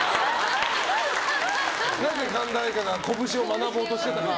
何か、神田愛花がこぶしを学ぼうとしてたら。